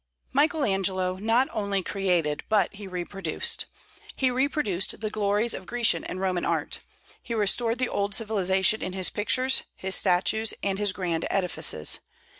Michael Angelo not only created, but he reproduced. He reproduced the glories of Grecian and Roman art. He restored the old civilization in his pictures, his statues, and his grand edifices.